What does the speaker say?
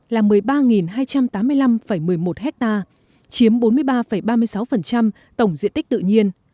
là một mươi ba hai trăm tám mươi năm một mươi một ha chiếm bốn mươi ba ba mươi sáu tổng diện tích tự nhiên